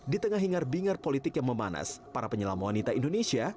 di tengah hingar bingar politik yang memanas para penyelam wanita indonesia